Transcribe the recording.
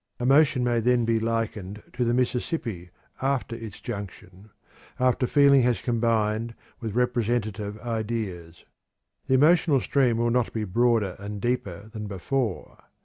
Emotion may then be likened to the Mississippi after its junction after feeling has combined with representative ideas. The emotional stream will not be broader and deeper than before.